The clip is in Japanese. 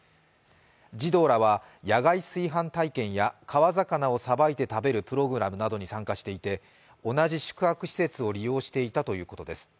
児童らは野外炊飯体験や川魚をさばいて食べるプログラムなどに参加していて同じ宿泊施設を利用していたということです。